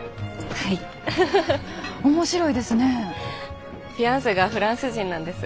フィアンセがフランス人なんです。